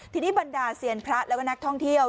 ทีนี้บรรดาเซียนพระแล้วก็นักท่องเที่ยว